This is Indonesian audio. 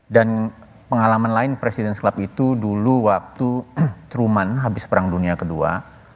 dan pengalaman lain presiden sklap itu dulu waktu truman habis perang dunia kedua